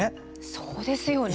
そうですよね。